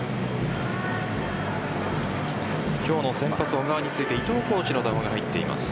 今日の先発・小川について伊藤コーチの談話が入っています。